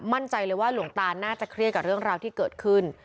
มั่นใจเลยว่าหลวงตาน่าจะเครียดกับเรื่องราวที่เกิดขึ้น